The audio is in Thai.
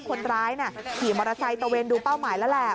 คนร้ายขี่มอเตอร์ไซค์ตะเวนดูเป้าหมายแล้วแหละ